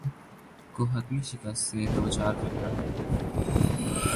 کو حتمی شکست سے دوچار کرنا ہے۔